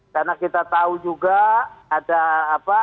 karena kita tahu juga ada apa